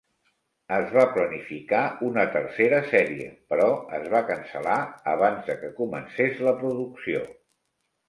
Es va planificar una tercera sèrie, però es va cancel·lar abans de que comences la producció.